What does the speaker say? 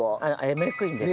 メークインです。